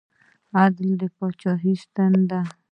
عدل د پاچاهۍ ستون دی